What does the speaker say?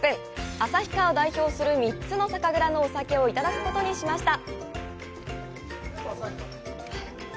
旭川を代表する３つの酒蔵のお酒をいただくことにしました。